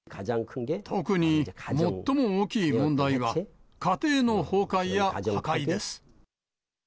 特に最も大きい問題は、家庭の崩壊や破壊です。